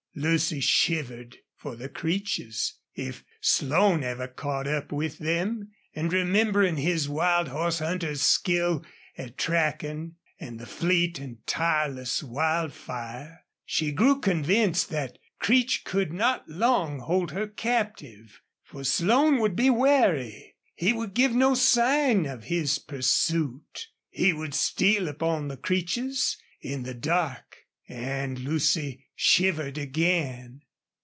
Lucy shivered for the Creeches if Slone ever caught up with them, and remembering his wild horse hunter's skill at tracking, and the fleet and tireless Wildfire, she grew convinced that Creech could not long hold her captive. For Slone would be wary. He would give no sign of his pursuit. He would steal upon the Creeches in the dark and Lucy shivered again.